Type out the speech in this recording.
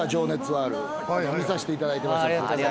見させていただいてます。